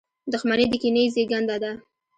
• دښمني د کینې زېږنده ده.